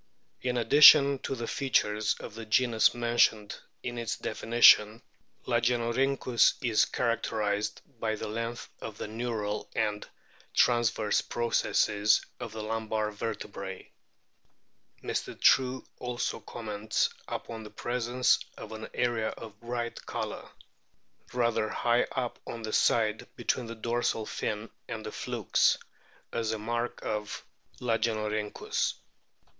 In addition to the features of the genus mentioned in its definition, Lagenorhynchus is characterised by the length of the neural and transverse processes of the lumbar vertebrae. * Spidlegia Zool., 1828, p. i. UJ 3 2 I I CO O bOLPHINS 263 Mr. True also comments upon the "presence of an area of bright colour rather hiq h up on the side o o i between the dorsal fin and the flukes " as a mark of Lagenorkynckus.